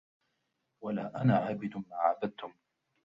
وَلَا أَنَا عَابِدٌ مَا عَبَدْتُمْ